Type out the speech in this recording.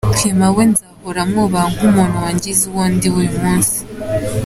Clement we nzahora mwubaha nk’umuntu wangize uwo ndi we uyu munsi.